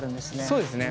そうですね。